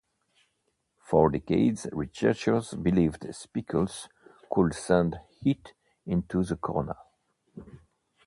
For decades, researchers believed spicules could send heat into the corona.